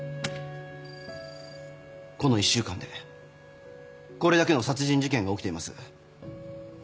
この１週間でこれだけの殺人事件が起きています。